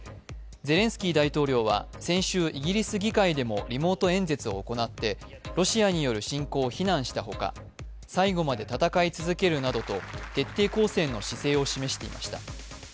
ゼレンスキー大統領は先週イギリス議会でもリモート演説を行って、ロシアによる侵攻を非難したほか、最後まで戦い続けるなどと徹底抗戦の姿勢を示していました。